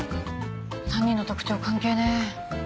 ３人の特徴関係ねえ。